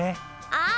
ああ！